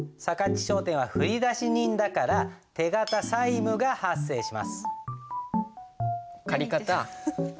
ち商店は振出人だから手形債務が発生します。